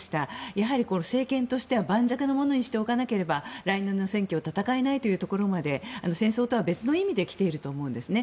やはり政権としては盤石なものにしておかなければ来年の選挙は戦えないところまで戦争とは別の意味で来ていると思うんですね。